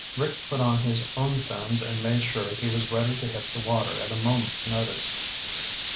Rick put on his own fins and made sure he was ready to hit the water at a moment's notice.